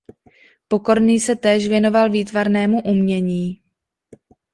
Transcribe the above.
Pokorný se též věnoval výtvarnému umění.